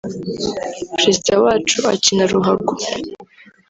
Perezida wacu akina ruhago